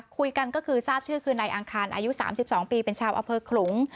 คุยกันก็คือทราบชื่อคือนายอังคารอายุ๓๒ปีเป็นชาวอำเภอขลุง